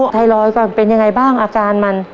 ไทรอยดก่อนเป็นยังไงบ้างอาการมัน